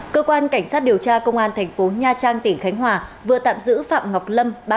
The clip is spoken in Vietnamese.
cơ quan cảnh sát điều tra công an thành phố nha trang tỉnh khánh hòa vừa tạm giữ phạm ngọc lâm